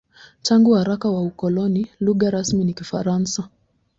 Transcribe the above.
Tangu wakati wa ukoloni, lugha rasmi ni Kifaransa.